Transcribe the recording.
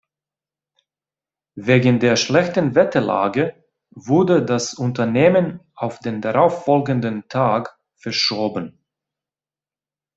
Wegen der schlechten Wetterlage wurde das Unternehmen auf den darauf folgenden Tag verschoben.